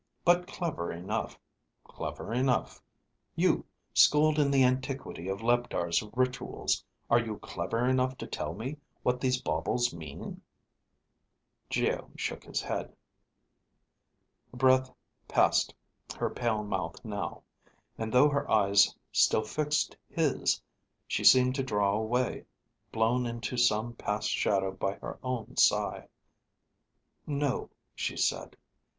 But clever enough. Clever enough. You, schooled in the antiquity of Leptar's rituals, are you clever enough to tell me what these baubles mean?" Geo shook his head. A breath passed her pale mouth now, and though her eyes still fixed his, she seemed to draw away, blown into some past shadow by her own sigh. "No," she said.